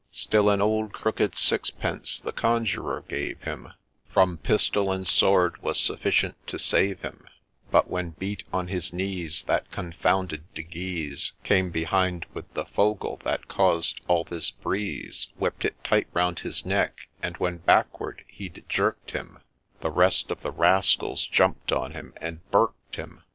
Still an old crooked sixpence the Conjurer gave him From pistol and sword was sufficient to save him, But when beat on his knees, That confounded De Guise Came behind with the ' fogle ' that caused all this breeze, Whipp'd it tight round his neck, and, when backward he'd jerk'd him, The rest of the rascals jump'd on him and Burk'd him.